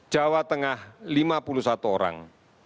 jawa tengah lima puluh satu orang